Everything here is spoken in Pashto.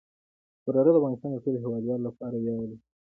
واوره د افغانستان د ټولو هیوادوالو لپاره ویاړ دی.